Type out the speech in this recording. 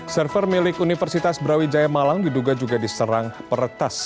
server milik universitas brawijaya malang diduga juga diserang peretas